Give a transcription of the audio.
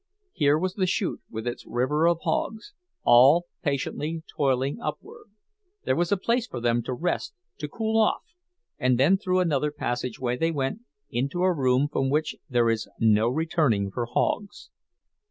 Here was the chute, with its river of hogs, all patiently toiling upward; there was a place for them to rest to cool off, and then through another passageway they went into a room from which there is no returning for hogs.